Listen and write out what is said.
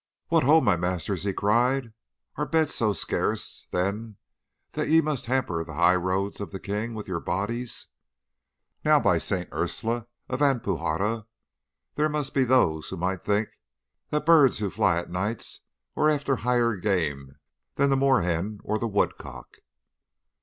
"'What ho, my masters!' he cried. 'Are beds so scarce, then, that ye must hamper the high road of the king with your bodies? Now, by St. Ursula of Alpuxerra, there be those who might think that birds who fly o' nights were after higher game than the moorhen or the woodcock!